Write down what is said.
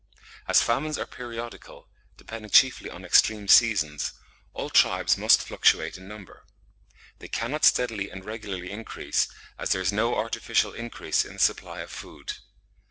As famines are periodical, depending chiefly on extreme seasons, all tribes must fluctuate in number. They cannot steadily and regularly increase, as there is no artificial increase in the supply of food.